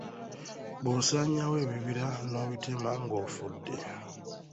Bw’osaanyaawo ebibira n’obitema ng’ofudde.